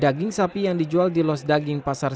daging sapi yang dijual di los daging pasar